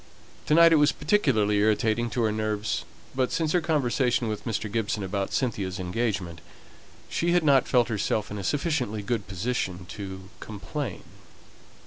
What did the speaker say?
To night it was particularly irritating to her nerves; but since her conversation with Mr. Gibson about Cynthia's engagement, she had not felt herself in a sufficiently good position to complain.